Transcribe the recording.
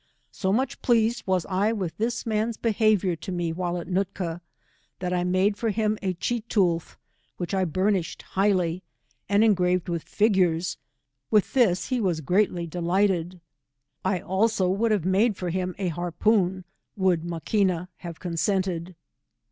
So much pleased was I with this man's behaviour to me while at Nootka, that I made for him a Cheetoolth, which I burnished highly, and engraved with figures; with this he was greatly delighted, I also would have made for him a harpoon would Maquina have consented.